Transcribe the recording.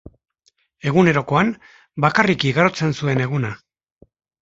Egunerokoan, bakarrik igarotzen zuen eguna.